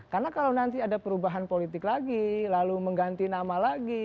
karena kalau nanti ada perubahan politik lagi lalu mengganti nama lagi